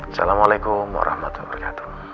assalamualaikum warahmatullahi wabarakatuh